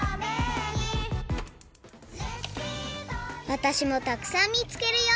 わたしもたくさん見つけるよ！